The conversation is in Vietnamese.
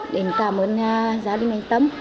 để cảm ơn gia đình anh tâm